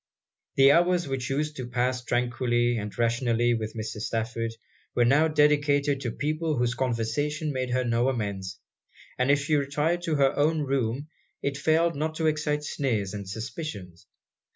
The hours which used to pass tranquilly and rationally with Mrs. Stafford, were now dedicated to people whose conversation made her no amends; and if she retired to her own room, it failed not to excite sneers and suspicions.